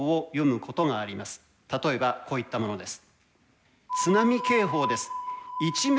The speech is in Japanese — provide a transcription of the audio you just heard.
例えばこういったものです。